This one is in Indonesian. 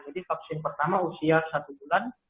jadi vaksin pertama usia satu bulan